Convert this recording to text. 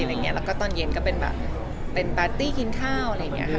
แล้วก็ตอนเย็นก็เป็นแบบเป็นปาร์ตี้กินข้าวอะไรอย่างนี้ค่ะ